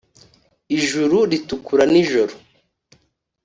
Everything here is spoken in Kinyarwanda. ijuru ritukura nijoro